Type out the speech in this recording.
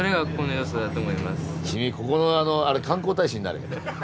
君ここのあの観光大使になれ。